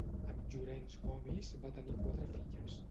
Amb Llorenç Gomis va tenir quatre filles.